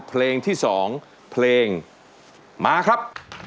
เพลงที่๒เพลงมาครับ